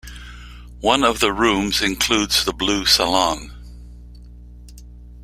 One of the rooms includes the Blue Salon.